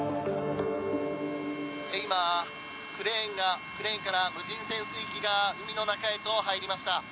今、クレーンから無人潜水機が海の中へと入りました。